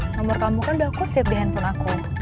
nomor kamu kan udah kusip di handphone aku